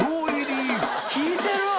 効いてるわ！